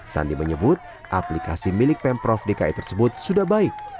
sandi menyebut aplikasi milik pemprov dki tersebut sudah baik